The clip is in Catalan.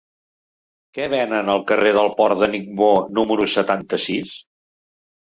Què venen al carrer del Port de Ningbo número setanta-sis?